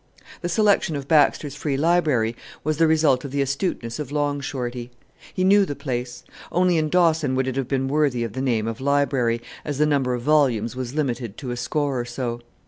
The selection of Baxter's Free Library was the result of the astuteness of Long Shorty. He knew the place. Only in Dawson would it have been worthy of the name of library, as the number of volumes was limited to a score or so.